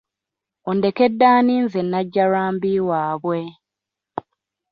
Ondekedde ani nze Nnajjalwambi waabwe?